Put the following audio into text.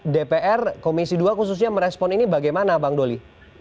dpr komisi dua khususnya merespon ini bagaimana bang doli